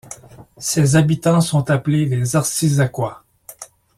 Ses habitants sont appelés les Arcizacois.